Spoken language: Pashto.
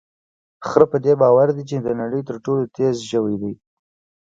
خره په دې باور دی چې د نړۍ تر ټولو تېز ژوی دی.